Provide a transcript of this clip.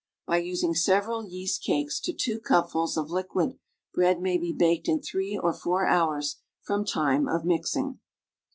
By using several yeast cakes to 2 cupfuls of liquid bread may be baked in three or four hours from lime of mixing).